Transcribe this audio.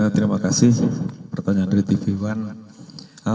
terima kasih pertanyaan dari tv one